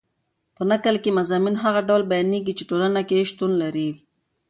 په نکل کښي مضامین هغه ډول بیانېږي، چي ټولنه کښي شتون لري.